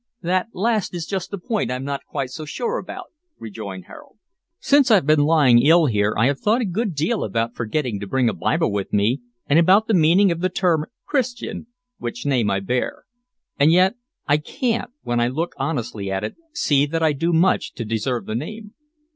"That last is just the point I'm not quite so sure about," rejoined Harold. "Since I've been lying ill here, I have thought a good deal about forgetting to bring a Bible with me, and about the meaning of the term Christian, which name I bear; and yet I can't, when I look honestly at it, see that I do much to deserve the name."